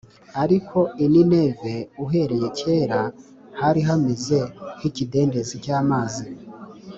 Ariko i Nineve uhereye kera hari hameze nk’ikidendezi cy’amazi